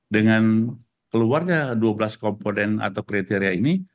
dengan keluarnya dua belas komponen atau kriteria ini